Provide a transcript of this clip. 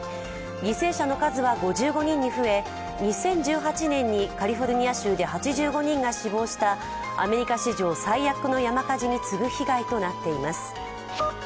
犠牲者の数は５５人に増え２０１８年にカリフォルニア州で８５人が死亡したアメリカ史上最悪の山火事に次ぐ被害となっています。